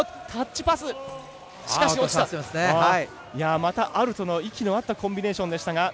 またアルとの息の合ったコンビネーションでした。